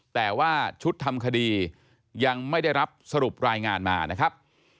แต่ว่าชุดทำคดียังไม่ได้รับสรุปรายงานมานะครับ